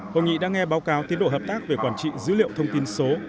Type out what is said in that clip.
hội nghị đã nghe báo cáo tiến độ hợp tác về quản trị dữ liệu thông tin số